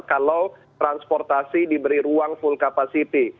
kalau transportasi diberi ruang full capacity